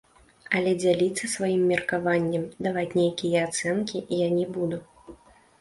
Але дзяліцца сваім меркаваннем, даваць нейкія ацэнкі я не буду.